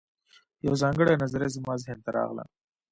یوه ځانګړې نظریه زما ذهن ته راغله